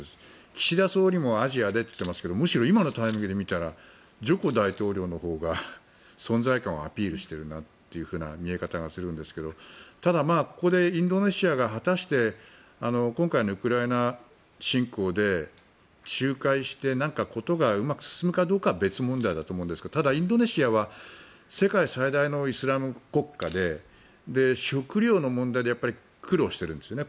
岸田総理もアジアでって言ってますけどむしろ今のタイミングで見たらジョコ大統領のほうが存在感をアピールしてるなという見え方をするんですがただ、ここでインドネシアが果たして今回のウクライナ侵攻で仲介して何か事がうまく進むかどうかは別問題だと思うんですけどただ、インドネシアは世界最大のイスラム国家で食料の問題で苦労しているんですよね。